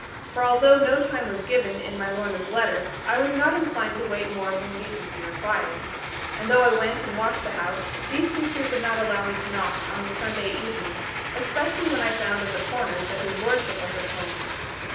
For although no time was given in my Lorna's letter, I was not inclined to wait more than decency required. And though I went and watched the house, decency would not allow me to knock on the Sunday evening, especially when I found at the corner that his lordship was at home.